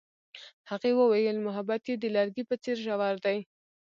هغې وویل محبت یې د لرګی په څېر ژور دی.